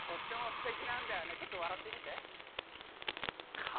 ちょっとわらってみて。